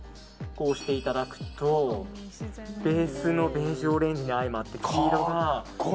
こうしていただくとベースのベージュオレンジに相まって黄色が。